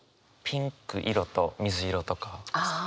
ピンク色と水色とかですね。